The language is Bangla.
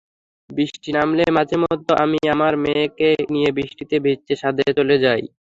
বৃষ্টি নামলে মাঝেমধ্যে আমি আমার মেয়েকে নিয়ে বৃষ্টিতে ভিজতে ছাদে চলে যাই।